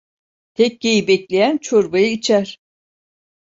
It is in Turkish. Tekkeyi bekleyen çorbayı içer.